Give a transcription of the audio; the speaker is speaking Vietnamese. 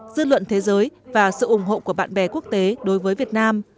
dư luận thế giới và sự ủng hộ của bạn bè quốc tế đối với việt nam